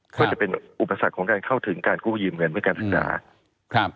ก็จะเป็นอุปสรรคของการเข้าถึงการกู้ยืมเงินเพื่อการศึกษาครับ